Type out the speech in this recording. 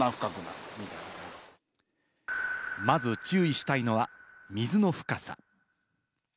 まず注意したいのは水の深さ。